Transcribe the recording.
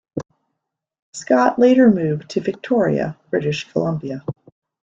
Scott later moved to Victoria, British Columbia.